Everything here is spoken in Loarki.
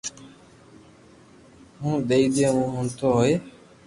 ھين دييون مون ھوڻتو ھوئي